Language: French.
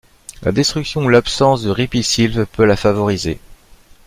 La destruction ou l'absence de ripisylve peut la favoriser.